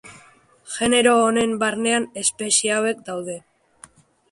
Genero honen barnean espezie hauek daude.